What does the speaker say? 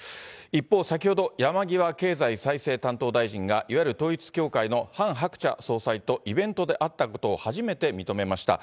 一方、先ほど、山際経済再生担当大臣が、いわゆる統一教会のハン・ハクチャ総裁とイベントで会ったことを初めて認めました。